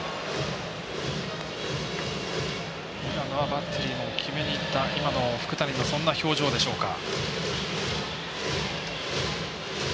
バッテリーも決めにいった福谷のそんな表情でしょうか。